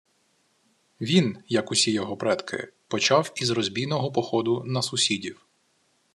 Він, як усі його предки, почав із розбійного походу на сусідів